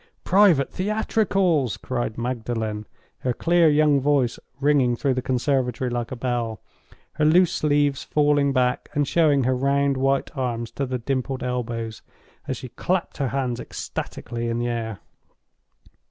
"Private Theatricals!!!" cried Magdalen, her clear young voice ringing through the conservatory like a bell; her loose sleeves falling back and showing her round white arms to the dimpled elbows, as she clapped her hands ecstatically in the air.